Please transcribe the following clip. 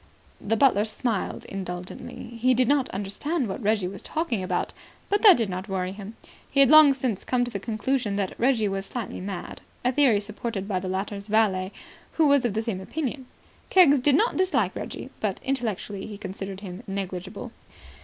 The butler smiled indulgently. He did not understand what Reggie was talking about, but that did not worry him. He had long since come to the conclusion that Reggie was slightly mad, a theory supported by the latter's valet, who was of the same opinion. Keggs did not dislike Reggie, but intellectually he considered him negligible.